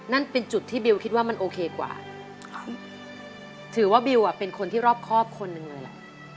นั่นเป็นจุดที่บิวคิดว่ามันโอเคกว่าถือว่าบิวเป็นคนที่รอบครอบคนหนึ่งเลยล่ะ